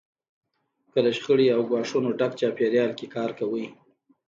که له شخړې او ګواښونو ډک چاپېریال کې کار کوئ.